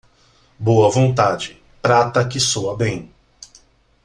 Boa vontade, prata que soa bem.